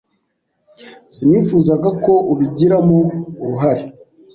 Sinifuzaga ko ubigiramo uruhare.